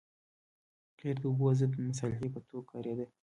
قیر د اوبو ضد مصالحې په توګه کارېده